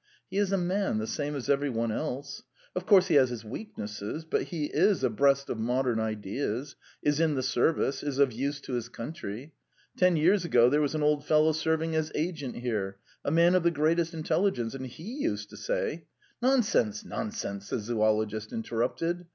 "He is a man the same as every one else. Of course, he has his weaknesses, but he is abreast of modern ideas, is in the service, is of use to his country. Ten years ago there was an old fellow serving as agent here, a man of the greatest intelligence ... and he used to say ..." "Nonsense, nonsense!" the zoologist interrupted.